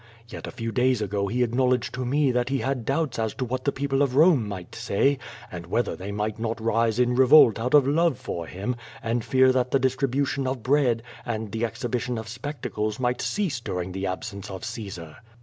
Yet a few days ago he acknowledged to me that he had doubts as to what the people of Rome might say, and whether they might not rise in revolt out of love for him, and fear that the distri bution of bread and the exhibition of spectacles might cease during the absence of Caesar.